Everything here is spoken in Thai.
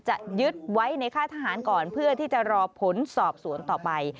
จะยึดไว้ในค่ายทหารก่อนเพื่อที่จะรอผลสอบสวนต่อไป